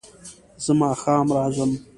زه ماښام راځم